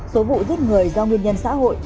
số vụ giết người do nguyên nhân xã hội